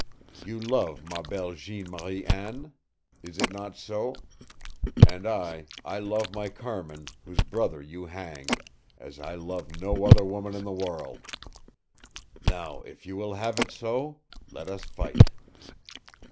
You love ma belle Jeanne Marie Anne? Is it not so? And I I love my Carmin, whose brother you hanged, as I love no other woman in the world. Now, if you will have it so, let us fight!"